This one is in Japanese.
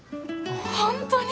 ホントに！？